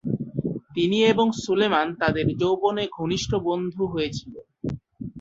তিনি এবং সুলেমান তাদের যৌবনে ঘনিষ্ঠ বন্ধু হয়েছিলেন।